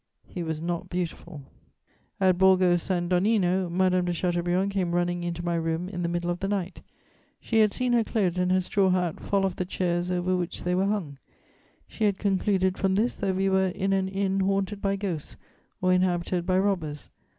He was not beautiful. [Sidenote: An earthquake.] "At Borgo San Donnino, Madame de Chateaubriand came running into my room in the middle of the night: she had seen her clothes and her straw hat fall off the chairs over which they were hung. She had concluded from this that we were in an inn haunted by ghosts or inhabited by robbers.